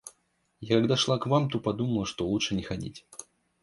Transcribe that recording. Я когда шла к вам, то подумала, что лучше не ходить.